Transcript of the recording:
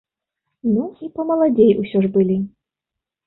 Ну, і памаладзей усё ж былі.